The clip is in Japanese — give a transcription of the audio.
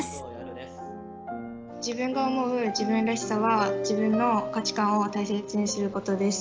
自分が思う自分らしさは自分の価値観を大切にすることです。